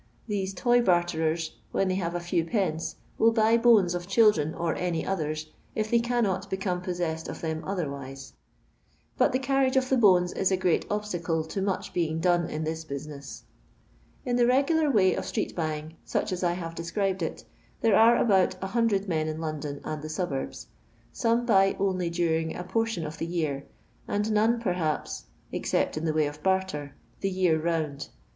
These toy barterers, when they have a few pence, will boy bones of children or any others, if they cannot become possessed of them otherwise; but the carriage of the bones is a great obstacle to much being done in this buaincM. In the regular way of street bu3ring, such as I have described it, there are about 100 men in London and the suburbs. Some buy only during a portion of the year, and none perhaps (except in the way of barter) the year round.